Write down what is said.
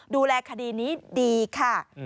ดูแลคดีนี้ดีค่ะ